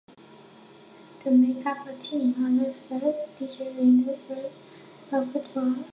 To make up a team, Alsager teacher Lindsay Purcell recruited a number of footballers.